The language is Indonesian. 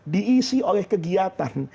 diisi oleh kegiatan